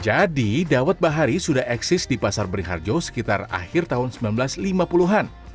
jadi dawet bahari sudah eksis di pasar beriharjo sekitar akhir tahun seribu sembilan ratus lima puluh an